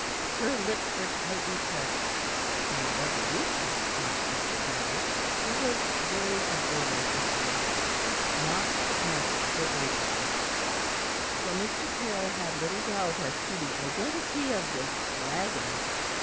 Her lips were tightly pressed in resolution, thought Mr. Caryll, who was very observant of her not to answer her ladyship; for Mr. Caryll had little doubt as to the identity of this dragon.